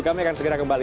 kami akan segera kembali